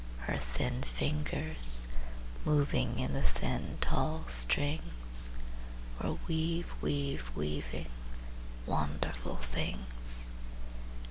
Her thin fingers, moving In the thin, tall strings, Were weav weav weaving Wonderful things.